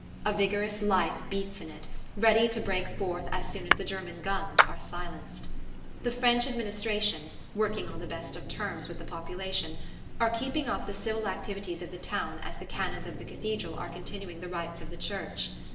A vigorous life beats in it, ready to break forth as soon as the German guns are silenced. The French administration, working on the best of terms with the population, are keeping up the civil activities of the town as the Canons of the Cathedral are continuing the rites of the Church.